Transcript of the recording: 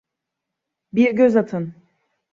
Bir göz atın.